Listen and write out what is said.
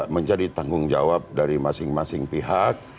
menjadi tanggung jawab dari masing masing pihak